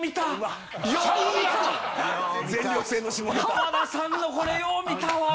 浜田さんのこれよう見たわ。